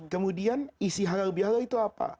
kemudian isi halal bihalal itu apa